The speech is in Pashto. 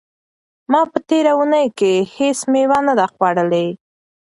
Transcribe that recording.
ما په تېره اونۍ کې هیڅ مېوه نه ده خوړلې.